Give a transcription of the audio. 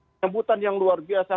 penyambutan yang luar biasa